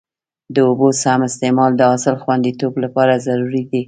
د اوبو سم استعمال د حاصل خوندیتوب لپاره ضروري دی.